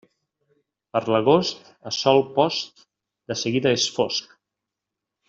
Per l'agost, a sol post, de seguida és fosc.